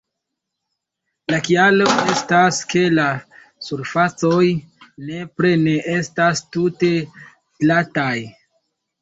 La kialo estas, ke la surfacoj nepre ne estas tute glataj.